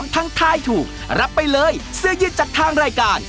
ทางท้ายถูกรับไปเลยเสื้อยืดจากทางรายการ